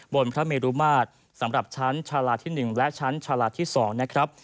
พระเมรุมาตรสำหรับชั้นชาลาที่๑และชั้นชาลาที่๒นะครับ